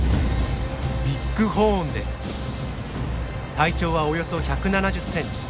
体長はおよそ１７０センチ